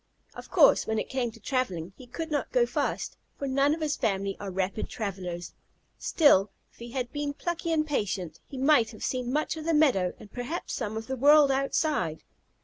Of course, when it came to travelling, he could not go fast, for none of his family are rapid travellers, still, if he had been plucky and patient, he might have seen much of the meadow, and perhaps some of the world outside.